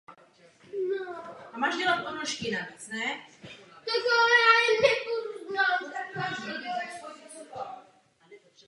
Nešlo ale o první národní registr zdravotních sester na světě.